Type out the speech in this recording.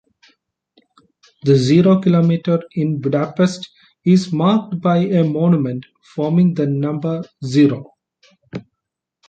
The Zero Kilometre in Budapest is marked by a monument, forming the number "zero".